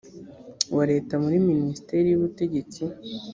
wa leta muri minisiteri y ubutegetsi